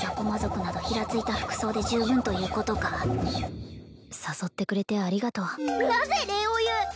魔族などヒラついた服装で十分ということか誘ってくれてありがとうなぜ礼を言う！？